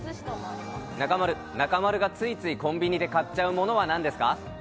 中丸、中丸がついついコンビニで買っちゃうものはなんですか？